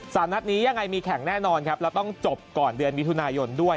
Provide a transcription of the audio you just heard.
นัดนี้ยังไงมีแข่งแน่นอนครับแล้วต้องจบก่อนเดือนมิถุนายนด้วย